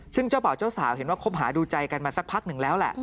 ซึ่งเจ้าบ่าวเจ้าสาวเห็นว่าคบหาดูใจกันมาสักพักหนึ่งแล้วแหละ